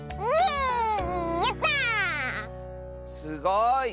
すごい！